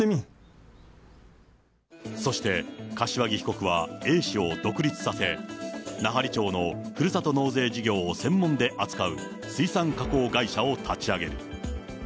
そして柏木被告はＡ氏を独立させ、奈半利町のふるさと納税事業を専門で扱う水産加工会社を立ち上げる。